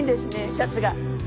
シャツが。